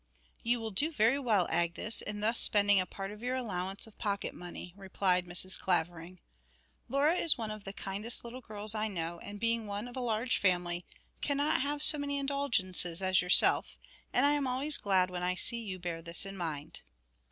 'You will do very well, Agnes, in thus spending a part of your allowance of pocket money,' replied Mrs. Clavering. 'Laura is one of the kindest little girls I know, and, being one of a large family, cannot have so many indulgences as yourself; and I am always glad when I see you bear this in mind.'